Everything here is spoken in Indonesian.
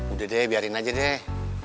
udah deh biarin aja deh